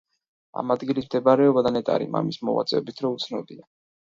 ამ ადგილის მდებარეობა და ნეტარი მამის მოღვაწეობის დრო უცნობია.